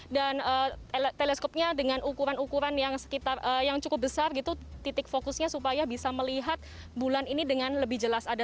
dan teleskopnya dengan ukuran ukuran yang cukup besar titik fokusnya supaya bisa melihat bulan ini dengan lebih jelas